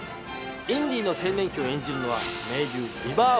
インディの青年期を演じるのは名優。